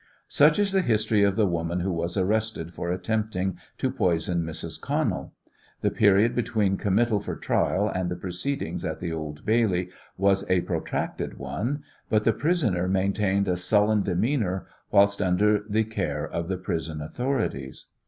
Such is the history of the woman who was arrested for attempting to poison Mrs. Connell. The period between committal for trial and the proceedings at the Old Bailey was a protracted one, but the prisoner maintained a sullen demeanour whilst under the care of the prison authorities.